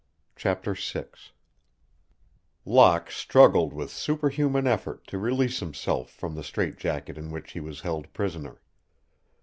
CHAPTER VI Locke struggled with superhuman effort to release himself from the strait jacket in which he was held prisoner.